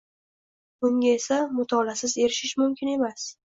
Bunga esa, mutolaasiz erishish mumkin emas